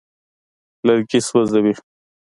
لرګي سوځوي.